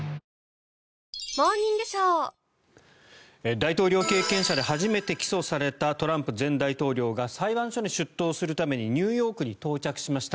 大統領経験者で初めて起訴されたトランプ前大統領が裁判所に出頭するためにニューヨークに到着しました。